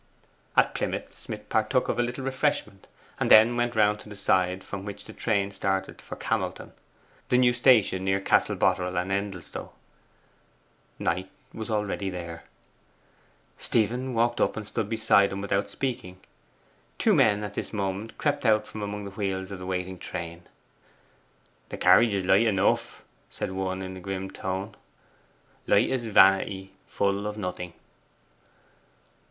At Plymouth Smith partook of a little refreshment, and then went round to the side from which the train started for Camelton, the new station near Castle Boterel and Endelstow. Knight was already there. Stephen walked up and stood beside him without speaking. Two men at this moment crept out from among the wheels of the waiting train. 'The carriage is light enough,' said one in a grim tone. 'Light as vanity; full of nothing.